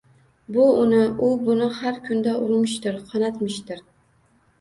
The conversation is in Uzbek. Bu uni, u buni har kunda urmishdir, qonatmishdir